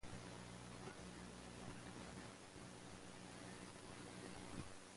Summarily, I claim the moon in the name of Lord British!